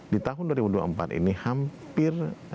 di tahun dua ribu dua puluh empat ini hampir